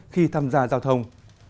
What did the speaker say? khi tham gia giao thông